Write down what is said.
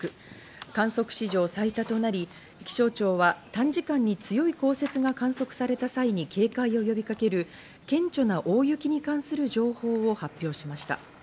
観測史上最多となり、気象台は短時間に強い降雪が観測された際に警戒を呼びかける顕著な大雪に関する情報を発表しました。